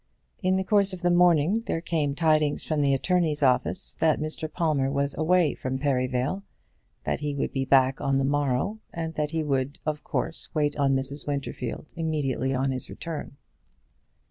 In the course of the morning there came tidings from the attorney's office that Mr. Palmer was away from Perivale, that he would be back on the morrow, and that he would of course wait on Mrs. Winterfield immediately on his return.